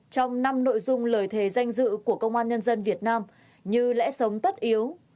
trong năm nội dung lời thề danh dự của công an nhân dân việt nam như lẽ sống tất yếu